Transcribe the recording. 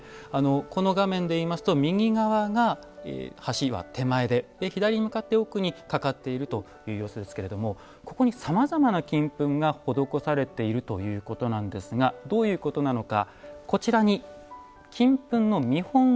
この画面で言いますと右側が橋は手前で左に向かって奥に架かっているという様子ですけれどもここにさまざまな金粉が施されているということなんですがどういうことなのかこちらに金粉の見本をお借りしました。